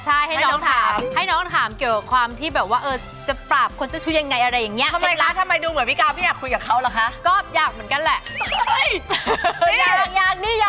ใช่ให้น้องถามให้น้องถามเกี่ยวกับความที่แบบว่าจะปราบคนเจ้าชู้ยังไงอะไรอย่างนี้